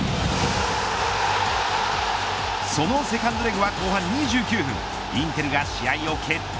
そのセカンドレグは後半２９分インテルが試合を決定